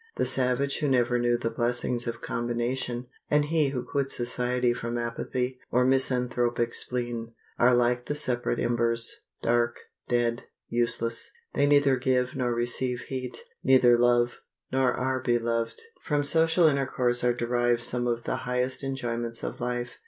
The savage who never knew the blessings of combination, and he who quits society from apathy or misanthropic spleen, are like the separate embers, dark, dead, useless; they neither give nor receive heat, neither love nor are beloved. From social intercourse are derived some of the highest enjoyments of life.